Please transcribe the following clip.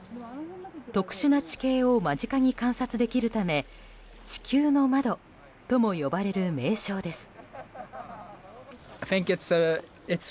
特殊な地形を間近に観察できるため地球の窓とも呼ばれる名勝です。